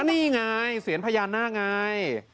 อันนี้ไงเสียญพยานาคมนี่ค่ะ